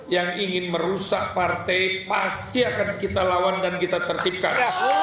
yang ingin merusak partai pasti akan kita lawan dan kita tertipkan